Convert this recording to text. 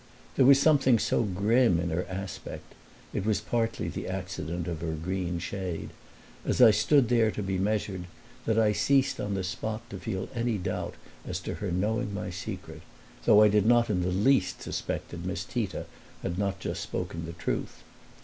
There was something so grim in her aspect (it was partly the accident of her green shade), as I stood there to be measured, that I ceased on the spot to feel any doubt as to her knowing my secret, though I did not in the least suspect that Miss Tita had not just spoken the truth.